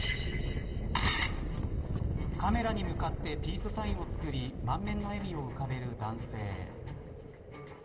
カメラに向かってピースサインを作り満面の笑みを浮かべる男性。